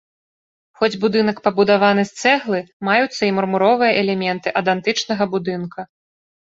Хоць будынак пабудаваны з цэглы, маюцца і мармуровыя элементы ад антычнага будынка.